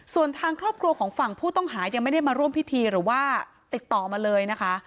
ส่วนทางครอบครัวของฝั่งผู้ต้องหายังไม่ได้มาร่วมพิธีหรือว่าติดต่อมาเลยนะคะ